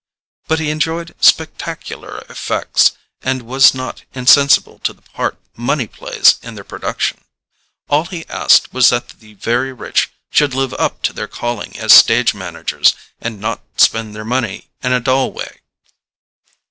But he enjoyed spectacular effects, and was not insensible to the part money plays in their production: all he asked was that the very rich should live up to their calling as stage managers, and not spend their money in a dull way.